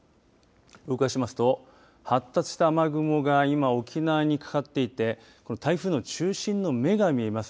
動かしますと発達した雨雲が今、沖縄にかかっていて台風の中心の目が見えます。